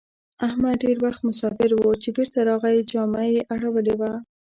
احمد ډېر وخت مساپر وو؛ چې بېرته راغی جامه يې اړولې وه.